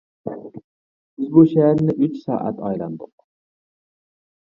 بىز بۇ شەھەرنى ئۈچ سائەت ئايلاندۇق.